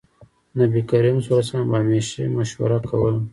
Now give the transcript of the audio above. نبي کريم ص به همېش مشوره کوله.